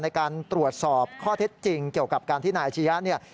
ในการตรวจสอบข้อเท็จจริงเกี่ยวกับการที่นายอาชียะเนี่ย